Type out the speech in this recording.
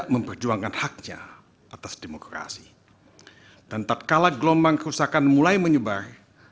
mengumpulkan foyle wow dan bedar